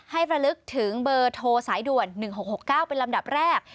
ระลึกถึงเบอร์โทรสายด่วน๑๖๖๙เป็นลำดับแรก